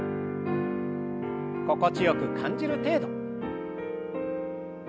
心地よく感じる程度。